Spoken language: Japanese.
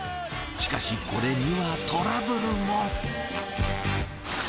しかし、これにはトラブルも。